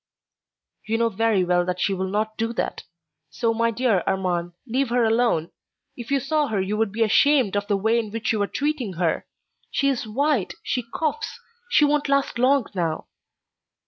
"You know very well that she will not do that. So, my dear Armand, let her alone. If you saw her you would be ashamed of the way in which you are treating her. She is white, she coughs—she won't last long now."